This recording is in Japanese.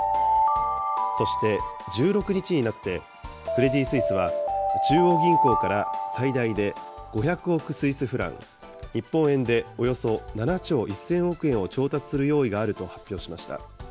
そして、１６日になってクレディ・スイスは、中央銀行から最大で５００億スイスフラン、日本円でおよそ７兆１０００億円を調達する用意があると発表しました。